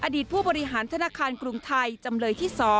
ผู้บริหารธนาคารกรุงไทยจำเลยที่๒